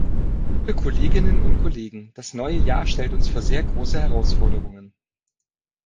Liebe Kolleginnen und Kollegen, das neue Jahr stellt uns vor sehr große Herausforderungen.